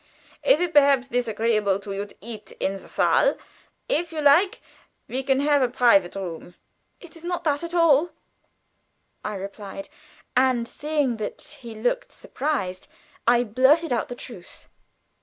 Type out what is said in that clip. "Is it perhaps disagreeable to you to eat in the saal? If you like we can have a private room." "It is not that at all," I replied; and seeing that he looked surprised, I blurted out the truth.